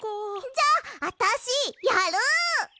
じゃああたしやる！